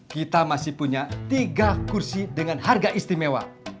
kita masih punya tiga kursi dengan harga istimewa